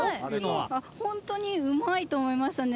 ほんとに上手いと思いましたね。